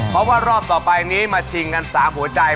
เพราะว่ารอบต่อไปนี้มาชิงกัน๓หัวใจ